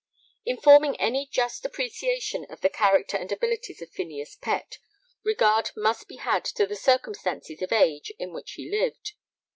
] In forming any just appreciation of the character and abilities of Phineas Pett, regard must be had to the circumstances of age in which he lived.